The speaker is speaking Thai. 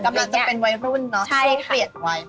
กำลังจะเป็นวัยรุ่นเนาะเปลี่ยนวัย